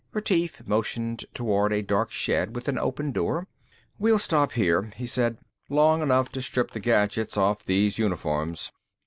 Retief motioned toward a dark shed with an open door. "We'll stop here," he said, "long enough to strip the gadgets off these uniforms."